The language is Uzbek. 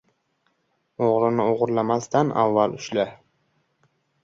• O‘g‘rini o‘g‘rilamasdan avval ushla.